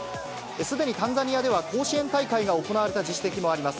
すでにタンザニアでは、甲子園大会が行われた実績もあります。